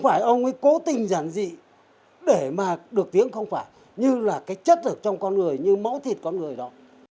phải ông ấy cố tình giản dị để mà được tiếng không phải như là cái chất ở trong con người như mẫu thịt con người đó